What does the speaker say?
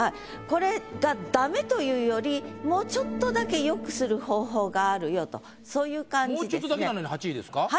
これがダメというよりもうちょっとだけよくする方法があるよとそういう感じですね。